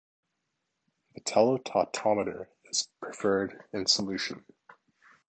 The tele-tautomer is preferred in solution.